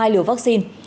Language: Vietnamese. hai liều vaccine